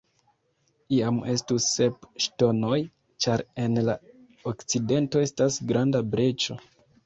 Iam estus sep ŝtonoj, ĉar en la okcidento estas granda breĉo.